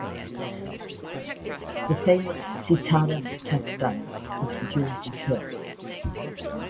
The famous Sitaram Textiles is situated here.